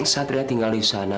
satria tinggal di sana